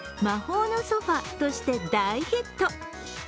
魔法のソファーとして大ヒット。